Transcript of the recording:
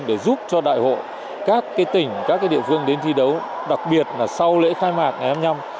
để giúp cho đại hội các tỉnh các địa phương đến thi đấu đặc biệt là sau lễ khai mạc ngày hai mươi năm